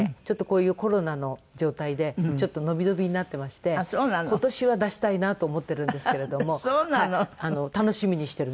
ちょっとこういうコロナの状態で延び延びになってまして今年は出したいなと思ってるんですけれども。